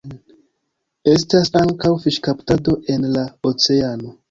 Estas ankaŭ fiŝkaptado en la oceano.